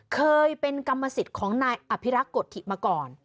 เคยเป็นกรรมสิทธิ์ของนายอภิรักษ์กฎฐิมาก่อน